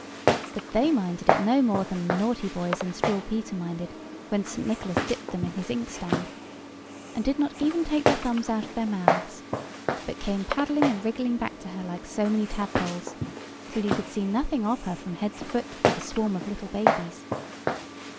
But they minded it no more than the naughty boys in Struwelpeter minded when St. Nicholas dipped them in his inkstand; and did not even take their thumbs out of their mouths, but came paddling and wriggling back to her like so many tadpoles, till you could see nothing of her from head to foot for the swarm of little babies.